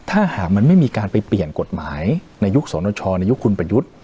ถ้าหากมันไม่มีการไปเปลี่ยนกฎหมายในยุคสนชในยุคคุณประยุทธ์